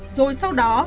rồi sau đó